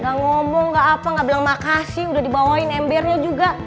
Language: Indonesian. gak ngomong gak apa nggak bilang makasih udah dibawain embernya juga